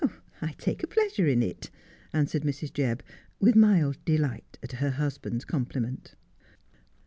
' I take a pleasure in it,' answered Mrs. Jebb, with mild delight at her husband's compliment.